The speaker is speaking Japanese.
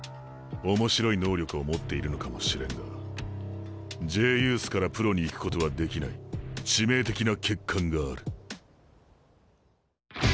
面白い能力を持っているのかもしれんがＪユースからプロに行くことはできない致命的な欠陥がある。